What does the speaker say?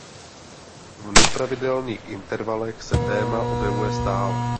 V nepravidelných intervalech se téma objevuje stále.